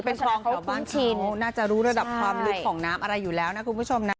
เป็นคลองเกือบบ้านชิ้นน่าจะรู้ระดับความลึกของน้ำอะไรอยู่แล้วนะคุณผู้ชมนะ